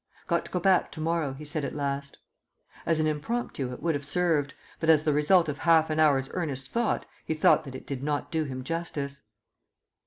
"Got to go back to morrow," he said at last. As an impromptu it would have served, but as the result of half an hour's earnest thought he felt that it did not do him justice.